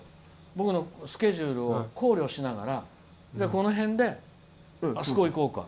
僕のスケジュールを考慮しながらこの辺であそこ行こうか。